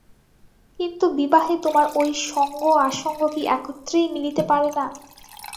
কিন্তু বিবাহে তোমার ঐ সঙ্গ-আসঙ্গ কি একত্রেই মিলতে পারে না।